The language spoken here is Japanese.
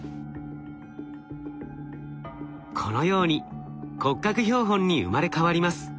このように骨格標本に生まれ変わります。